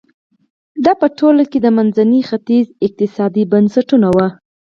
دا په ټوله کې د منځني ختیځ اقتصادي بنسټونه وو.